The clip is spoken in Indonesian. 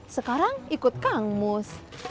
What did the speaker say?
sekarang ikut kangmus